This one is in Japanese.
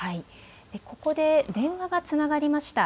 ここで電話がつながりました。